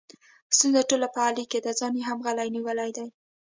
ستونزه ټوله په علي کې ده، ځان یې هم غلی نیولی دی.